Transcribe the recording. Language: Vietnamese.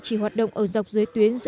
chỉ hoạt động